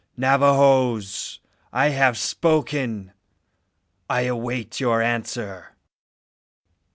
Navajoes! I have spoken. I await your answer."